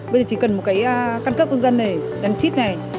bây giờ chỉ cần một cái căn cấp công dân này đắn chip này